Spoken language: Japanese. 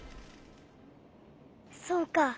そうか。